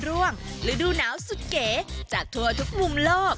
ร่วงฤดูหนาวสุดเก๋จากทั่วทุกมุมโลก